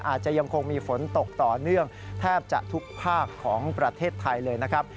อาจจะยังคงมีฝนตกต่อเนื่องแทบจะทุกภาคของประเทศไทยเลยนะครับ